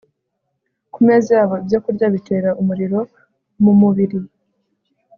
ku meza yabo ibyokurya bitera umuriro mu mubiri